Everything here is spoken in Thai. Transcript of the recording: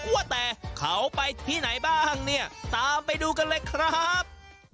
ว่าแต่เขาไปที่ไหนบ้างเนี่ยตามไปดูกันเลยครับ